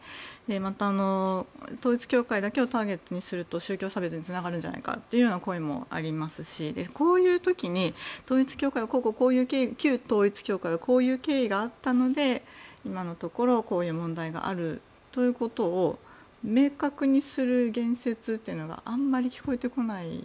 また統一教会だけをターゲットにすると宗教差別につながるのではという声もありますしこういう時に旧統一教会はこういう経緯があったので今のところこういう問題があるということを明確にする言説というのがあんまり聞こえてこない。